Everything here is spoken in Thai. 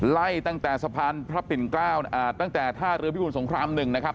ไล่ตั้งแต่สะพานพระปิ่นเกล้าตั้งแต่ท่าเรือพิบูรสงคราม๑นะครับ